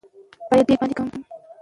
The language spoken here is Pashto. زما مور ناروغه ده.